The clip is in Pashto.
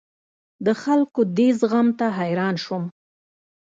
د خلکو دې زغم ته حیران شوم.